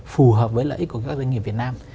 phù hợp với lợi ích của các doanh nghiệp việt nam